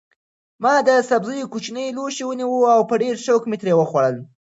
ما د سبزیو کوچنی لوښی ونیو او په ډېر شوق مې ترې وخوړل.